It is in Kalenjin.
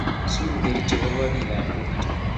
zoo kercho ko ba pik ab kericho